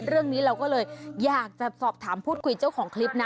เรื่องนี้เราก็เลยอยากจะสอบถามพูดคุยเจ้าของคลิปนะ